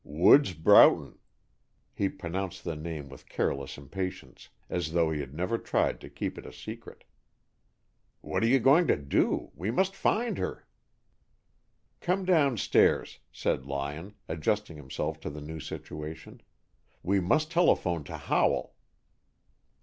"Woods Broughton." He pronounced the name with careless impatience, as though he had never tried to keep it a secret. "What are you going to do? We must find her." "Come downstairs," said Lyon, adjusting himself to the new situation. "We must telephone to Howell."